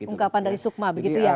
ungkapan dari sukma begitu ya